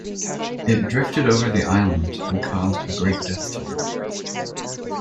It drifted over the island, and caused a "Great death toll".